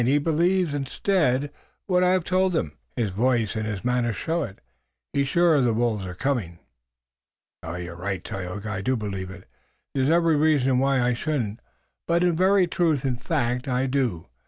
He believes, instead, what I have told him. His voice and his manner show it. He is sure the wolves are coming." "You're right, Tayoga, I do believe it. There's every reason why I shouldn't, but, in very truth and fact, I do.